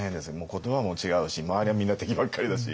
言葉も違うし周りはみんな敵ばっかりだし。